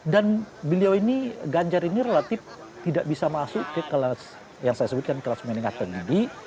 dan beliau ini ganjar ini relatif tidak bisa masuk ke kelas yang saya sebutkan kelas menengah pendidik